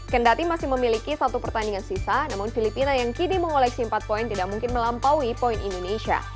kendati masih memiliki satu pertandingan sisa namun filipina yang kini mengoleksi empat poin tidak mungkin melampaui poin indonesia